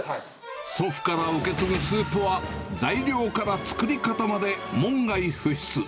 祖父から受け継ぐスープは、材料から作り方まで門外不出。